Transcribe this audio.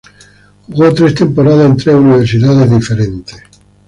Jugó tres temporadas en tres universidades diferentes.